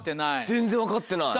全然分かってない。